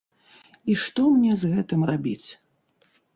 І што мне з гэтым рабіць?